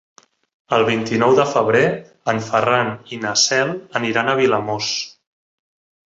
El vint-i-nou de febrer en Ferran i na Cel aniran a Vilamòs.